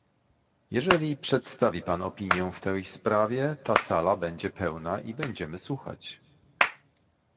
Jeżeli przedstawi Pan opinię w tej sprawie, ta sala będzie pełna i będziemy słuchać